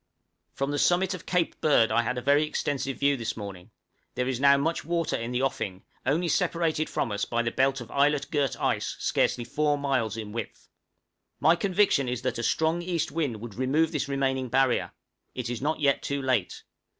From the summit of Cape Bird I had a very extensive view this morning: there is now much water in the offing, only separated from us by the belt of islet girt ice scarcely four miles in width! My conviction is that a strong east wind would remove this remaining barrier; it is not yet too late.